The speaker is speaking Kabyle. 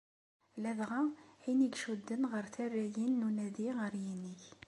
Ladɣa ayen i icudden ɣer tarrayin n unadi ɣer yinig.